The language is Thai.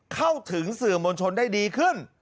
เข้าถึงสื่อมวลชนได้ดีขึ้น